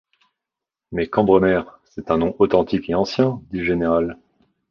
Mais Cambremer, c’est un nom authentique et ancien, dit le général.